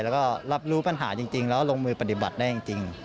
แล้วก็รับรู้ปัญหาจริงแล้วลงมือปฏิบัติได้จริง